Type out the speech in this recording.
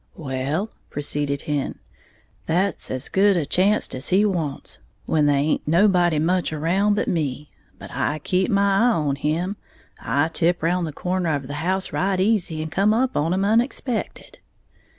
"Well," proceeded Hen, "that's as good a chanct as he wants, when thaint nobody much around but me. But I keep my eye on him, I tip round the corner of the house right easy, and come up on 'em unexpected."